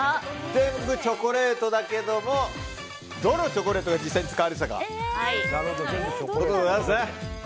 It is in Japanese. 全部チョコレートだけどどのチョコレートが実際に使われてたか。